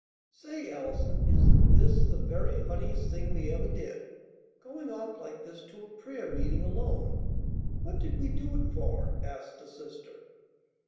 "Say, Allison, isn't this the very funniest thing we ever did, going off like this to a prayer meeting alone? What did we do it for?" asked the sister.